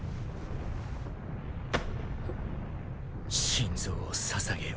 心臓を捧げよ。